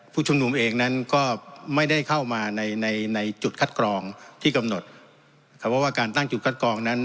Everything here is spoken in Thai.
ผู้ชุมนุมเองนั้นก็ไม่ได้เข้ามาในในจุดคัดกรองที่กำหนดครับเพราะว่าการตั้งจุดคัดกรองนั้น